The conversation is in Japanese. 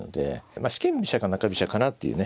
まあ四間飛車か中飛車かなっていうね。